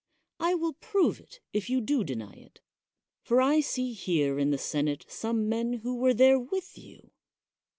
I will prove it if you do deny it ; for I see here in the senate some men who were there with you.